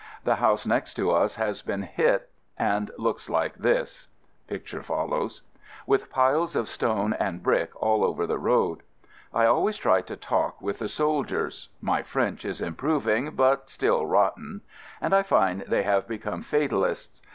The house next to us has been hit and looks like this — with piles of stone and brick all over the road. I always try to talk with the sol diers (my French is improving, but still rotten) and I find they have become fatal ists.